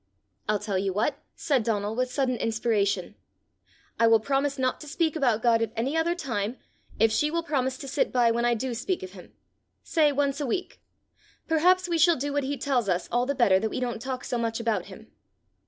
"I'll tell you what," said Donal, with sudden inspiration: "I will promise not to speak about God at any other time, if she will promise to sit by when I do speak of him say once a week. Perhaps we shall do what he tells us all the better that we don't talk so much about him!"